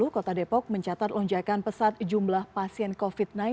kota depok mencatat lonjakan pesat jumlah pasien covid sembilan belas